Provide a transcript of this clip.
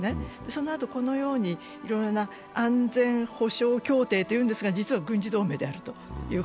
そのあと、このようにいろいろな安全保障協定というんですが、実は軍事同盟であると。